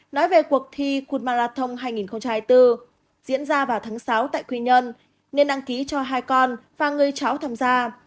nói về cuộc thi culmarathon hai nghìn hai mươi bốn diễn ra vào tháng sáu tại quy nhơn nên đăng ký cho hai con và người cháu tham gia